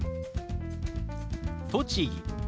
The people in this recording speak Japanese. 「栃木」。